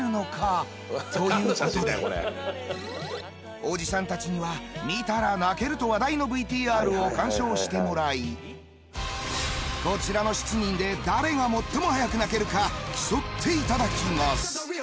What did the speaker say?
おじさんたちには見たら泣けると話題のＶＴＲを鑑賞してもらいこちらの７人で誰が最も早く泣けるか競っていただきます。